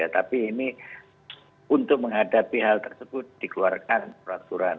tapi ini untuk menghadapi hal tersebut dikeluarkan peraturan